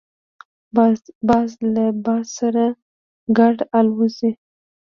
باز له باد سره ګډ الوزي